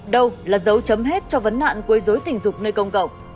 đâu là dấu chấm hết cho vấn nạn quấy dối tình dục nơi công cộng